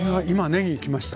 ねぎきました？